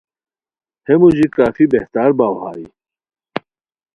ہے مو ژی کافی بہتر باؤ ہائے